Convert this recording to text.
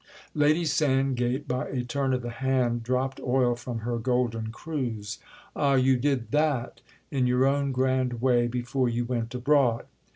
Lady Sandgate, by a turn of the hand, dropped oil from her golden cruse. "Ah, you did that, in your own grand way, before you went abroad!"